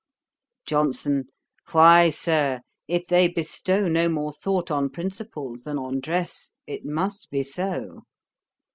JOHNSON. 'Why, Sir, if they bestow no more thought on principles than on dress, it must be so.'